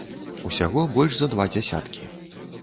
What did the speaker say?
Усяго больш за два дзясяткі.